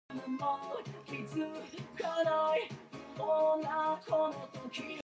Marie Schmidt withdrew from public political engagement.